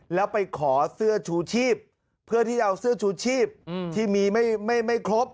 แล้วไปขอเสื้อชูชีพเพื่อที่จะเอาเสื้อชูชีพที่มีไม่ครบ